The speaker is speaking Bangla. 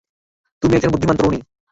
আপনি একজন বুদ্ধিমান তরুণী।